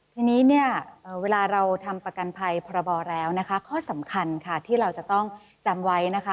ทีนี้เนี่ยเวลาเราทำประกันภัยพรบแล้วนะคะข้อสำคัญค่ะที่เราจะต้องจำไว้นะคะ